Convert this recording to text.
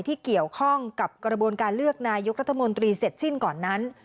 ที่เกี่ยวข้องกับกระบวนการเลือกนายกรัฐมนตรีเสร็จสิ้นก่อนนั้น